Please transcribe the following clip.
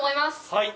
はい！